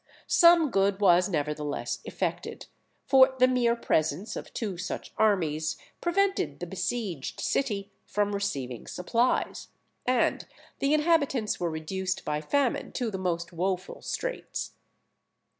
Some good was nevertheless effected; for the mere presence of two such armies prevented the besieged city from receiving supplies, and the inhabitants were reduced by famine to the most woful straits.